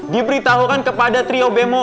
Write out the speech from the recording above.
diberitahukan kepada trio bemo